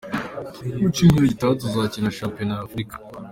Mu cyumweru gitaha tuzakina shampiyona ya Africa.